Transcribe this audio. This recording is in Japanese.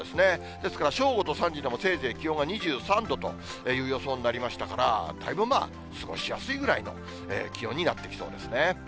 ですから、正午と３時でも、せいぜい気温は２３度という予想になりましたから、だいぶまあ、過ごしやすいぐらいの気温になってきそうですね。